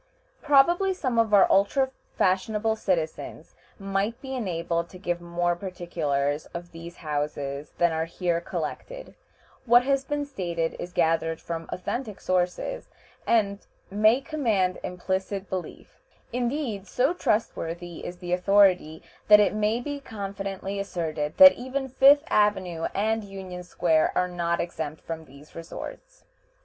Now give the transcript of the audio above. Probably some of our ultra fashionable citizens might be enabled to give more particulars of these houses than are here collected. What has been stated is gathered from authentic sources, and may command implicit belief. Indeed, so trustworthy is the authority that it may be confidently asserted that even Fifth Avenue and Union Square are not exempt from these resorts.